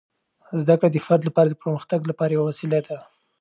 زده کړه د فرد لپاره د پرمختګ لپاره یوه وسیله ده.